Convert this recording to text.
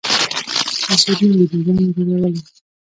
تصویرونه، ویډیوګانې جوړولی